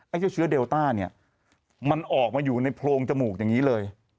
เชื้อเดลต้าเนี่ยมันออกมาอยู่ในโพรงจมูกอย่างนี้เลย